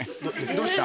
「どうした？」